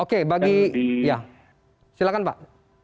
oke bagi ya silakan pak